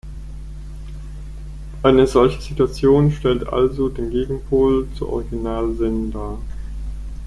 Eine solche Situation stellt also den Gegenpol zur Original Sin dar.